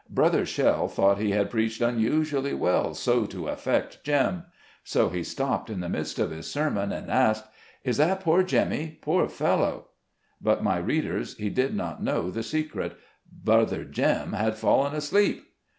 Brother Shell thought he had preached unusually well so to affect Jem ; so he stopped in the midst of his sermon, and RELIGIOUS INSTRUCTION. 199 asked, "Is that poor Jemmy? poor fellow!" But, my readers, he did not know the secret — brother Jem had fallen asleep.